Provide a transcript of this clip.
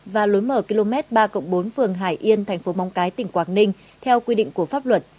và lối mở km ba bốn phường hải yên thành phố mong cái tỉnh quảng ninh theo quy định của pháp luật